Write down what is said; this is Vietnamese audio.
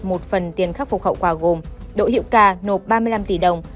một phần tiền khắc phục hậu quả gồm đỗ hiệu ca nộp ba mươi năm tỷ đồng